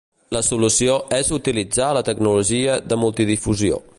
La solució és utilitzar la tecnologia de multidifusió.